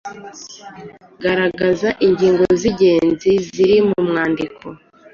Garagaza ingingo z’ingenzi ziri mu mwandiko.